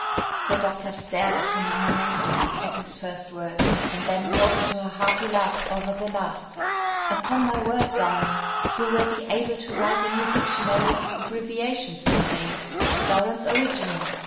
The doctor stared at him in amazement at his first words, and then broke into a hearty laugh over the last. "Upon my word, Doran, you will be able to write a new dictionary of abbreviations some day! Doran's Original!